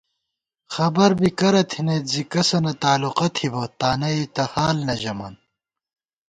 خبر بی کرہ تھنَئیت زی کسَنہ تالُوقہ تھِبہ، تانئ تہ حال نہ ژَمان